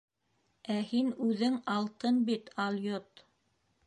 Ә һин үҙең алтын бит, алйот.